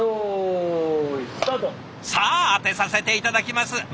さあ当てさせて頂きます！